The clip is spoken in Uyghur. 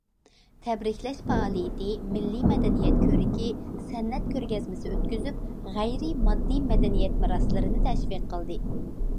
تەبرىكلەش پائالىيىتى، مىللىي مەدەنىيەت كۆرىكى، سەنئەت كۆرگەزمىسى ئۆتكۈزۈپ، غەيرىي ماددىي مەدەنىيەت مىراسلىرىنى تەشۋىق قىلدى.